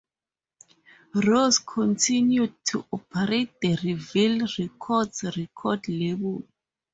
Rose continued to operate the Reveal Records record label.